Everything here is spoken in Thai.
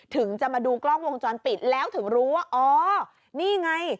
ถึงจะมาดูกล้องวงจรปิดแล้วถึงรู้ว่าอ๋อนี่ไง